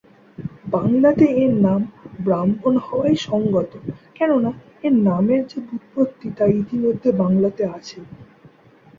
বাংলাতে এর নাম ব্রাহ্মণ হওয়াই সঙ্গত, কেননা এর নামের যে ব্যুৎপত্তি তা ইতিমধ্যে বাংলাতে আছে।